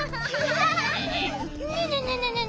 ねえねえねえねえ。